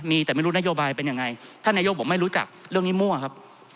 มีแต่ไม่รู้นโยบายเป็นยังไงท่านนายกบอกไม่รู้จักเรื่องนี้มั่วครับ